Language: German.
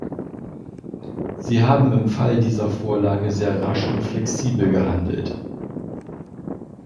Sie haben im Fall dieser Vorlage sehr rasch und flexibel gehandelt.